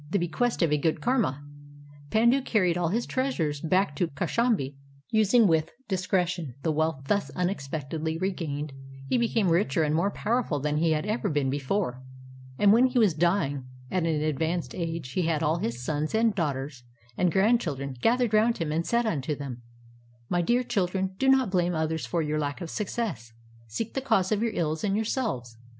THE BEQUEST OF A GOOD KARMA Pandu carried all his treasures back to Kaushambi, and using with discretion the wealth thus unexpectedly regained, he became richer and more powerful than he had ever been before, and when he was d}ing at an ad vanced age he had all his sons, and daughters, and grand children gathered round him and said unto them :— "My dear children, do not blame others for your lack of success. Seek the cause of your Uls in yourselves.